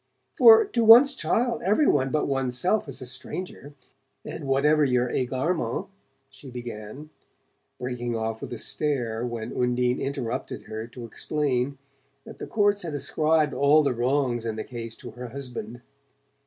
"For, to one's child every one but one's self is a stranger; and whatever your egarements " she began, breaking off with a stare when Undine interrupted her to explain that the courts had ascribed all the wrongs in the case to her husband.